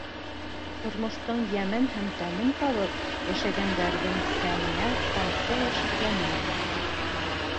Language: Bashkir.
Тормоштоң йәмен һәм тәмен табып йәшәгәндәрҙең сәменә тамсы ла шикләнмәйем.